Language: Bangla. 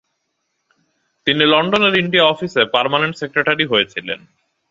তিনি লন্ডনের ইন্ডিয়া অফিসে পার্মানেন্ট সেক্রেটারি হয়েছিলেন।